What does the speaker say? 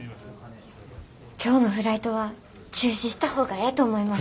今日のフライトは中止した方がええと思います。